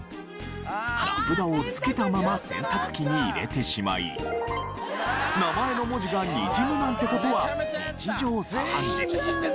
名札を付けたまま洗濯機に入れてしまい名前の文字がにじむなんて事は日常茶飯事。